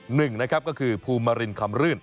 หนึ่งนะครับก็คือภูมิมารินคำรื่น